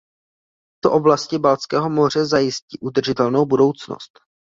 To oblasti Baltského moře zajistí udržitelnou budoucnost.